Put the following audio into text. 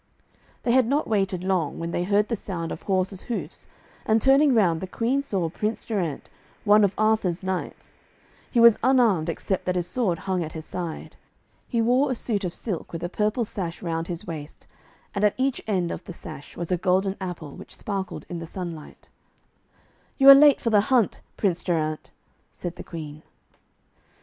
They had not waited long, when they heard the sound of horse's hoofs, and turning round, the Queen saw Prince Geraint, one of Arthur's knights. He was unarmed, except that his sword hung at his side. He wore a suit of silk, with a purple sash round his waist, and at each end of the sash was a golden apple, which sparkled in the sunlight. 'You are late for the hunt, Prince Geraint,' said the Queen.